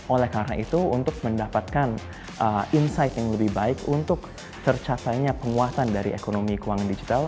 oleh karena itu untuk mendapatkan insight yang lebih baik untuk tercapainya penguatan dari ekonomi keuangan digital